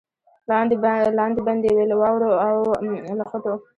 لاري بندي وې له واورو او له خټو